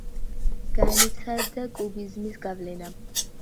განიცადა კუბიზმის გავლენა.